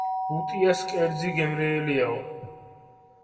ბუტიას კერძი გემრიელიაო